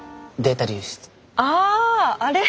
ああれ？